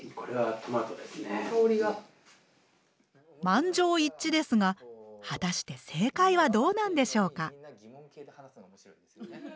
満場一致ですが果たして正解はどうなんでしょうか？